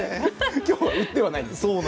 今日は売ってはいないんです。